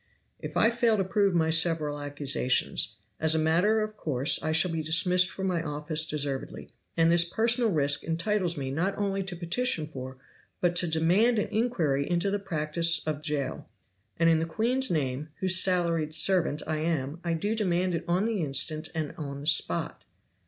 "If I fail to prove my several accusations, as a matter of course I shall be dismissed from my office deservedly; and this personal risk entitles me not only to petition for, but to demand an inquiry into the practice of Jail. And in the queen's name, whose salaried servant I am, I do demand it on the instant and on the spot."